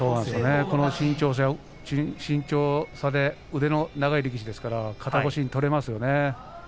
この身長差で腕の長い力士ですから肩越しに取れますよね。